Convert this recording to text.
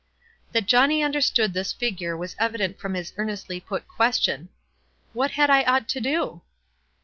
" That Johnny understood the figure was evi dent from his earnestly put question, — "What had I ought to do?"